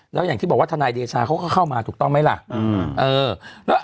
แล้วอย่างที่บอกว่าทนายเดชาเขาก็เข้ามาถูกต้องไหมล่ะ